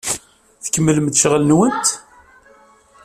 I tkemmlemt ccɣel-nwent?